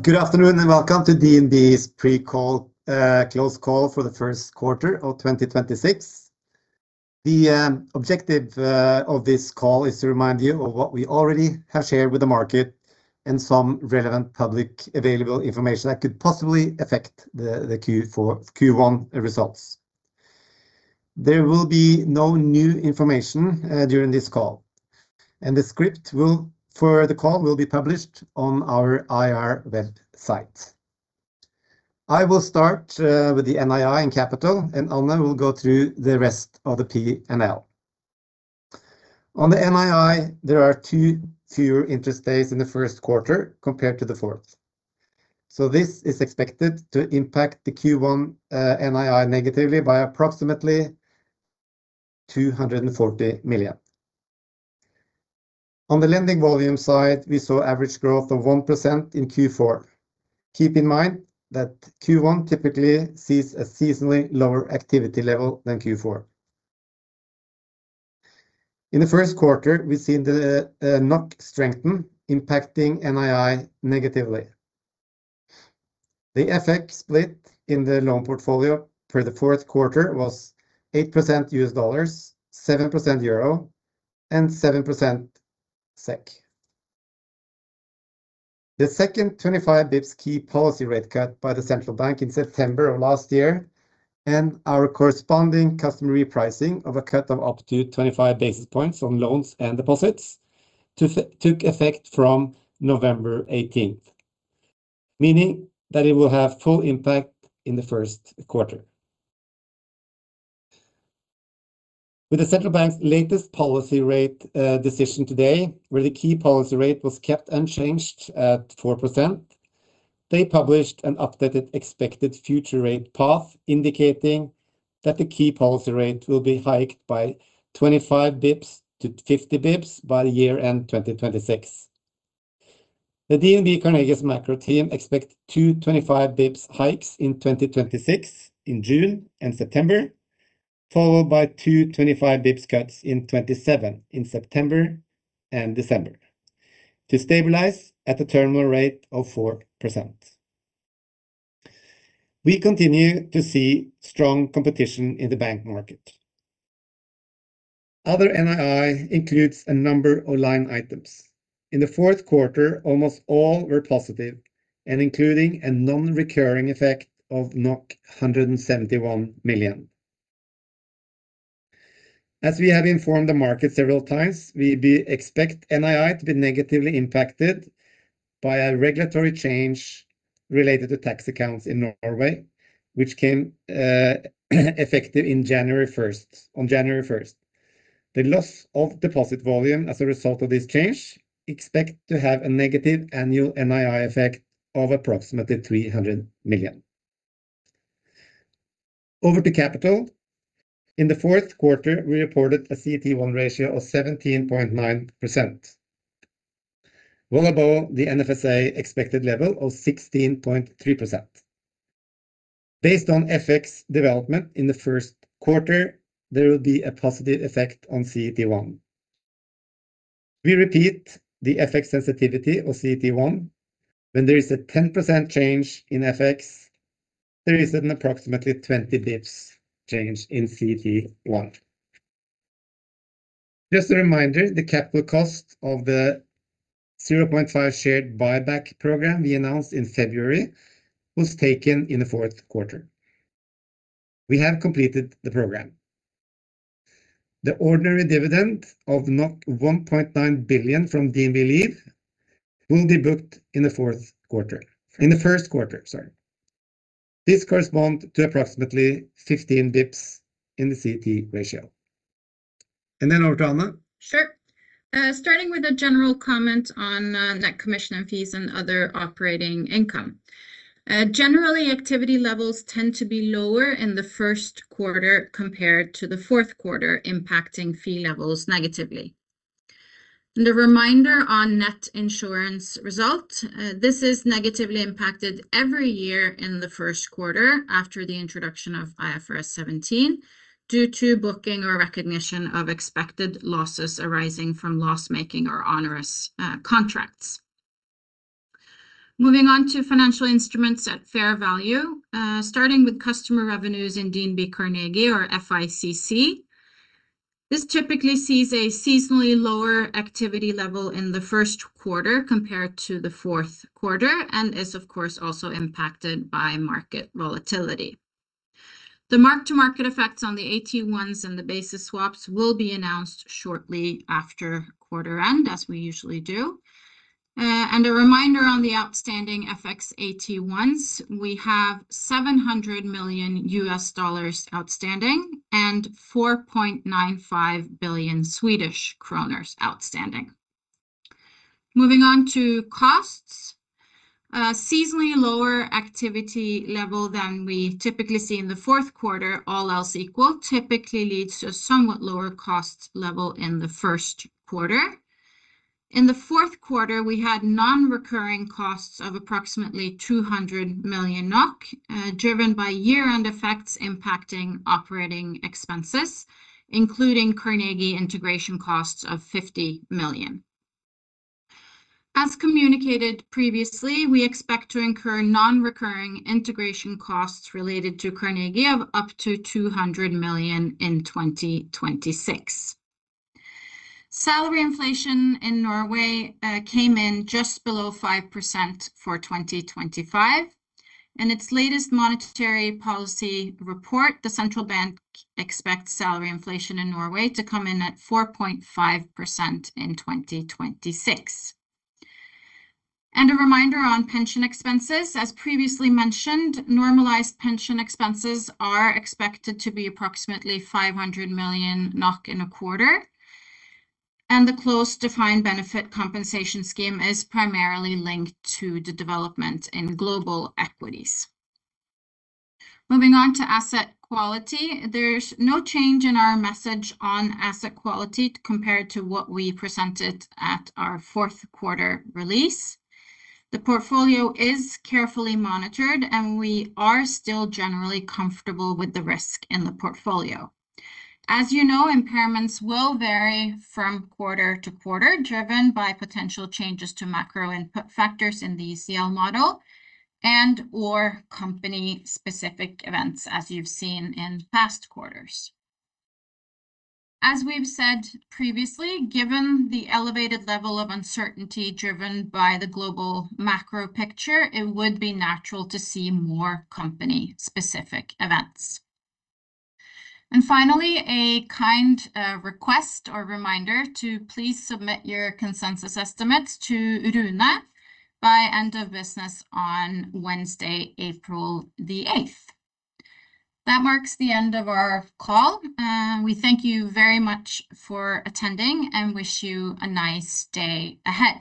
Good afternoon, and welcome to DNB's pre-close call for the first quarter of 2026. The objective of this call is to remind you of what we already have shared with the market and some relevant publicly available information that could possibly affect the Q1 results. There will be no new information during this call, and the script for the call will be published on our IR website. I will start with the NII and capital, and [Anne] will go through the rest of the P&L. On the NII, there are two fewer interest days in the first quarter compared to the fourth. This is expected to impact the Q1 NII negatively by approximately 240 million. On the lending volume side, we saw average growth of 1% in Q4. Keep in mind that Q1 typically sees a seasonally lower activity level than Q4. In the first quarter, we seen the NOK strengthen, impacting NII negatively. The effect split in the loan portfolio for the fourth quarter was 8% USD, 7% EUR, and 7% SEK. The second 25 bps key policy rate cut by the central bank in September of last year and our corresponding customer repricing of a cut of up to 25 basis points on loans and deposits took effect from November 18, meaning that it will have full impact in the first quarter. With the central bank's latest policy rate decision today, where the key policy rate was kept unchanged at 4%, they published an updated expected future rate path, indicating that the key policy rate will be hiked by 25 bps-50 bps by year-end 2026. DNB Carnegie's macro team expect two 25 bps hikes in 2026 in June and September, followed by two 25 bps cuts in 2027 in September and December to stabilize at a terminal rate of 4%. We continue to see strong competition in the bank market. Other NII includes a number of line items. In the fourth quarter, almost all were positive and including a non-recurring effect of 171 million. As we have informed the market several times, we expect NII to be negatively impacted by a regulatory change related to tax accounts in Norway, which came effective on January 1st. The loss of deposit volume as a result of this change expect to have a negative annual NII effect of approximately 300 million. Over to capital. In the fourth quarter, we reported a CET1 ratio of 17.9%, well above the Finanstilsynet expected level of 16.3%. Based on FX development in the first quarter, there will be a positive effect on CET1. We repeat the FX sensitivity of CET1. When there is a 10% change in FX, there is an approximately 20 bps change in CET1. Just a reminder, the capital cost of the 0.5 share buyback program we announced in February was taken in the fourth quarter. We have completed the program. The ordinary dividend of 1.9 billion from DNB Liv will be booked in the first quarter, sorry. This correspond to approximately 15 bps in the CET1 ratio. Then over to [Anne]. Sure. Starting with a general comment on net commission and fees and other operating income. Generally, activity levels tend to be lower in the first quarter compared to the fourth quarter, impacting fee levels negatively. A reminder on net insurance result, this is negatively impacted every year in the first quarter after the introduction of IFRS 17 due to booking or recognition of expected losses arising from loss-making or onerous contracts. Moving on to financial instruments at fair value, starting with customer revenues in DNB Carnegie, or FICC. This typically sees a seasonally lower activity level in the first quarter compared to the fourth quarter and is of course, also impacted by market volatility. The mark-to-market effects on the AT1s and the basis swaps will be announced shortly after quarter end, as we usually do. A reminder on the outstanding FX AT1s, we have $700 million outstanding and 4.95 billion Swedish kronor outstanding. Moving on to costs. A seasonally lower activity level than we typically see in the fourth quarter, all else equal, typically leads to a somewhat lower cost level in the first quarter. In the fourth quarter, we had non-recurring costs of approximately 200 million NOK, driven by year-end effects impacting operating expenses, including Carnegie integration costs of 50 million. As communicated previously, we expect to incur non-recurring integration costs related to Carnegie of up to 200 million in 2026. Salary inflation in Norway came in just below 5% for 2025. In its latest monetary policy report, the Norges Bank expects salary inflation in Norway to come in at 4.5% in 2026. A reminder on pension expenses. As previously mentioned, normalized pension expenses are expected to be approxi, mately 500 million NOK in a quarter, and the closed defined benefit compensation scheme is primarily linked to the development in global equities. Moving on to asset quality. There's no change in our message on asset quality compared to what we presented at our fourth quarter release. The portfolio is carefully monitored, and we are still generally comfortable with the risk in the portfolio. As you know, impairments will vary from quarter-to-quarter, driven by potential changes to macro input factors in the ECL model and/or company specific events, as you've seen in past quarters. As we've said previously, given the elevated level of uncertainty driven by the global macro picture, it would be natural to see more company specific events. Finally, a kind request or reminder to please submit your consensus estimates to Rune by end of business on Wednesday, April the 8th. That marks the end of our call. We thank you very much for attending and wish you a nice day ahead.